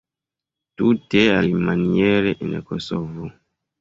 Tute alimaniere en Kosovo.